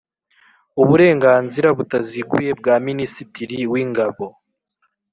uburenganzira butaziguye bwa Minisitiri w Ingabo